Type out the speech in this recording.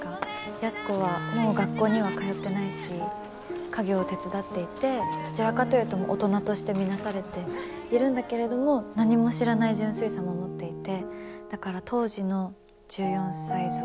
安子はもう学校には通ってないし家業を手伝っていてどちらかというと大人として見なされているんだけれども何も知らない純粋さも持っていて。